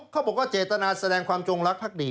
๒เขาบอกว่าเจตนาแสดงความจงลักษณ์พรรคดี